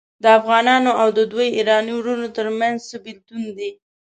د افغانانو او د دوی ایراني وروڼو ترمنځ څه بیلتون دی.